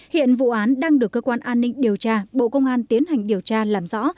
hiện vụ án đang được cơ quan an ninh điều tra bộ công an tiến hành điều tra làm rõ